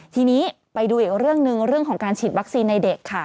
ทีนี้ไปดูอีกเรื่องหนึ่งเรื่องของการฉีดวัคซีนในเด็กค่ะ